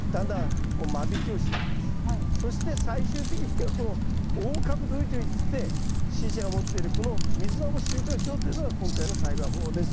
そして最終的にはこの大株どりといってしーちゃんが持っているこのミズナを収穫しようというのが今回の栽培方法です。